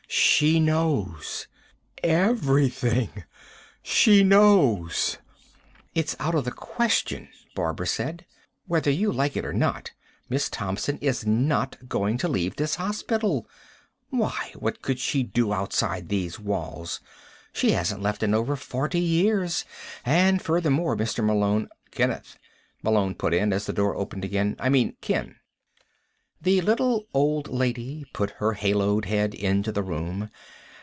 "She knows. Everything. She knows." "It's out of the question," Barbara said. "Whether you like it or not. Miss Thompson is not going to leave this hospital. Why, what could she do outside these walls? She hasn't left in over forty years! And furthermore, Mr. Malone " "Kenneth," Malone put in, as the door opened again. "I mean Ken." The little old lady put her haloed head into the room.